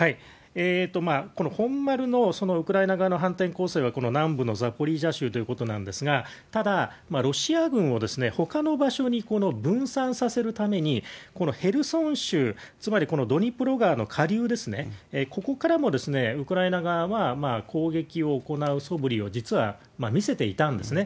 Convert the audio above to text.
この本丸のウクライナ側の反転攻勢は、この南部のザポリージャ州ということなんですが、ただ、ロシア軍をほかの場所に分散させるために、このヘルソン州、つまりこのドニプロ川の下流ですね、ここからもウクライナ側は攻撃を行うそぶりを実は見せていたんですね。